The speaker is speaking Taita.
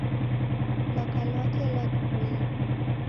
Lwaka lwake lwadipoie.